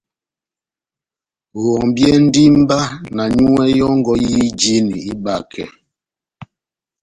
Ohɔmbiyɛndi mba na nyúwɛ́ yɔ́ngɔ ijini ihibakɛ.